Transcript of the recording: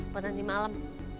buat nanti malam